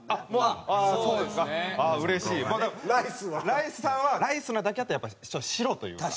ライスさんはライスなだけあってやっぱり白というか。